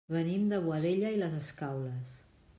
Venim de Boadella i les Escaules.